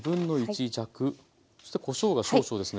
そしてこしょうが少々ですね。